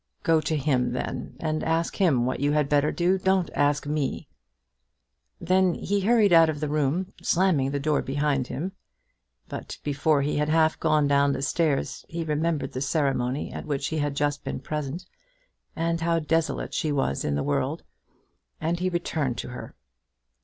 "Go to him, then, and ask him what you had better do. Don't ask me." Then he hurried out of the room, slamming the door behind him. But before he had half gone down the stairs he remembered the ceremony at which he had just been present, and how desolate she was in the world, and he returned to her.